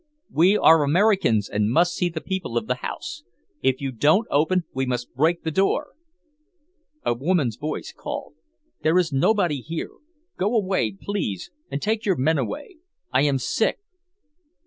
"We are Americans, and must see the people of the house. If you don't open, we must break the door." A woman's voice called; "There is nobody here. Go away, please, and take your men away. I am sick."